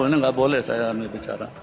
ini nggak boleh saya bicara